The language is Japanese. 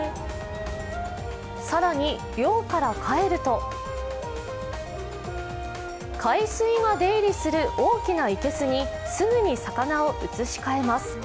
更に漁から帰ると海水が出入りする大きな生けすにすぐに魚を移しかえます。